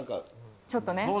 ちょっとね。